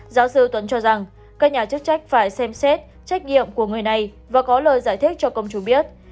giáo sư tuấn cho rằng các nhà chức trách phải xem xét trách nhiệm của người này và có lời giải thích cho công chúng biết